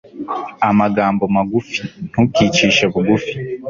amagambo magufi ntukicishe bugufi